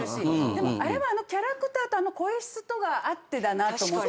でもあれはあのキャラクターと声質とがあってだなと思って。